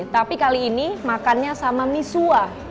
tapi kali ini makannya sama misua